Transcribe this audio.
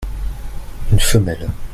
Une femelle.